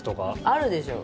あるでしょ。